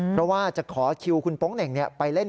เพราะว่าจะขอคิวคุณโป๊งเหน่งไปเล่น